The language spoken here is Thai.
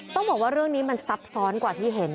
ต้องบอกว่าเรื่องนี้มันซับซ้อนกว่าที่เห็น